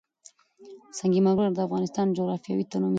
سنگ مرمر د افغانستان د جغرافیوي تنوع مثال دی.